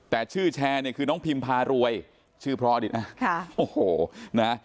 แต่ชื่อแชร์เนี่ยคือน้องพิมพารวยชื่อเพราะดีนะค่ะโอ้โหนะ